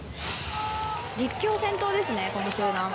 立教、先頭ですね、この集団は。